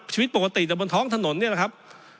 ชีวิตปกติแต่บนท้องถนนเนี่ยนะครับ